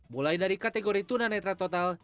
mulai dari kategori tunah netral total